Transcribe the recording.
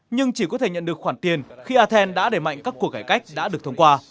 nhưng chỉ có thể nhận được khoản tiền khi athens đã để mạnh các cuộc cải cách đã được thông qua